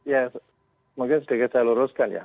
ya mungkin sedikit saya luruskan ya